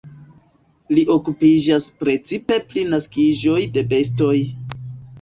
Li okupiĝas precipe pri naskiĝoj de bestoj.